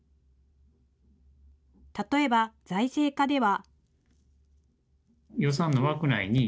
例えば、財政課では。